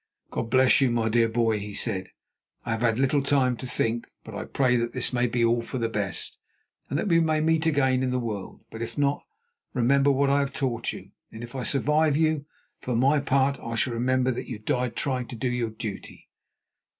"God bless you, my dear boy," he said. "I have had little time to think, but I pray that this may be all for the best, and that we may meet again in the world. But if not, remember what I have taught you, and if I survive you, for my part I shall remember that you died trying to do your duty.